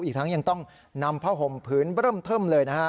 อีกทั้งยังต้องนำผ้าห่มพื้นเริ่มเทิมเลยนะฮะ